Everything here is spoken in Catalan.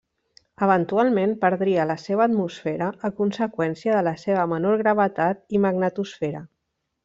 Eventualment perdria la seva atmosfera a conseqüència de la seva menor gravetat i magnetosfera.